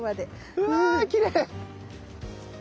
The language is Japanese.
うわぁきれい。